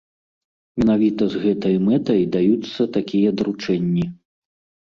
Менавіта з гэтай мэтай даюцца такія даручэнні.